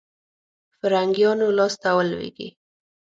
فرنګیانو لاسته ولوېږي.